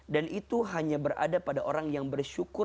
dan itu hanya berada pada orang yang bersyukur